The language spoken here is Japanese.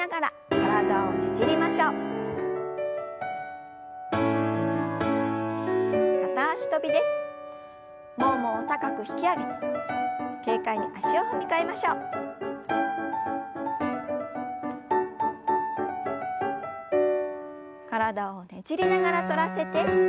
体をねじりながら反らせて斜め下へ。